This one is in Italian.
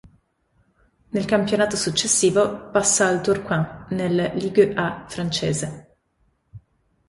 Nel campionato successivo passa al Tourcoing nel Ligue A francese.